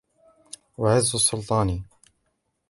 وَعِزُّ السُّلْطَانِ